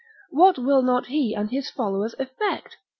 What will not he and his followers effect?